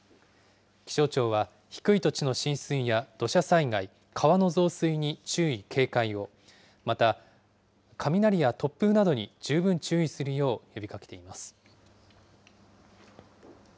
気象庁は低い土地の浸水や土砂災害、川の増水に注意・警戒を、また、雷や突風などに十分注意するよう呼びかけています。